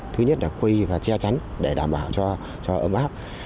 thứ nhất là quây và che chắn để đảm bảo cho ấm áp